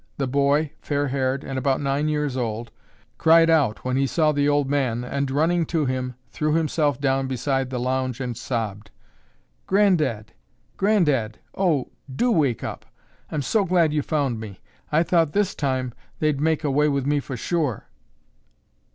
The boy, fair haired and about nine years old, cried out when he saw the old man and running to him, threw himself down beside the lounge and sobbed, "Granddad! Granddad! Oh, do wake up. I'm so glad you found me. I thought this time they'd make away with me for sure."